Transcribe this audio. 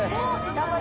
頑張れ。